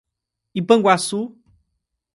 Ipanguaçu